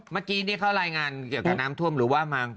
เมื่อกี้เขารายงานเกี่ยวกับน้ำท่วมหรือว่ามา